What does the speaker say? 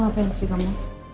mau ngapain sih kamu